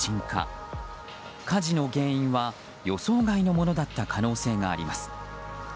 火事の原因は予想外のものだった可能性があります。